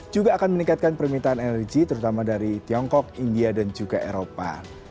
juga akan meningkatkan permintaan energi terutama dari tiongkok india dan juga eropa